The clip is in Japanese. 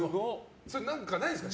何かないんですか。